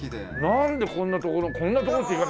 なんでこんな所こんな所って言い方。